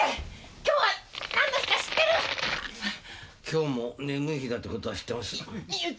今日も眠い日だって事は知ってますよ。